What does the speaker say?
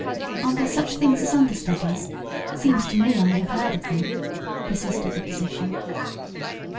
"Aren't there such things as understudies? Seems to me I have heard of them," persisted the physician.